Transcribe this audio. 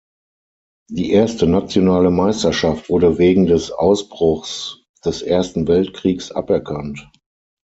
Die erste nationale Meisterschaft wurde wegen des Ausbruchs des Ersten Weltkriegs aberkannt.